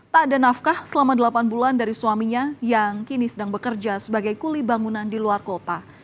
tak ada nafkah selama delapan bulan dari suaminya yang kini sedang bekerja sebagai kuli bangunan di luar kota